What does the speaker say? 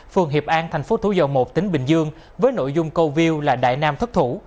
phường hiệp an thành phố thủ dầu một tỉnh bình dương với nội dung câu view là đại nam thất thủ